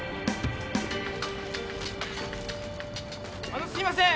あのすいません。